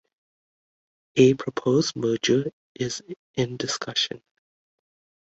A proposed merger is in discussion.